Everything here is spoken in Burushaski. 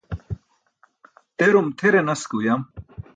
Terum tʰere nas ke uyam.